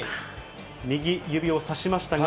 右指をさしましたが。